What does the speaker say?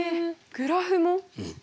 グラフも？